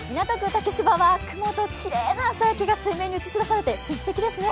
竹芝は雲ときれいな朝焼けが水に映し出されて神秘的ですね。